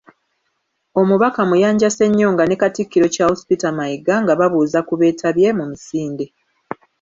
Omubaka Muyanja Ssenyonga ne Katikkiro Charles Peter Mayiga nga babuuza ku beetabye mu misinde.